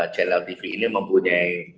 channel tv ini mempunyai